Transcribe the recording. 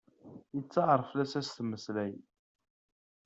Yettaɛer fell-as ad as-temmeslay.